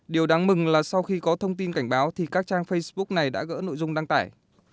điều đáng mừng là sau khi có thông tin cảnh báo thì các trang facebook này đã gỡ nội dung đăng tải